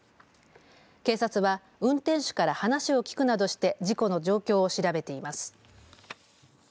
警察は運転手から話を聞くなどして事故の状況を調べています。